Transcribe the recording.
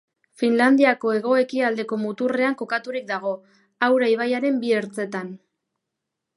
Finlandiako hego-ekialdeko muturrean kokaturik dago, Aura ibaiaren bi ertzetan.